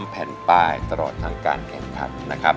๓แผ่นป้ายตลอดทางการแข่งขัน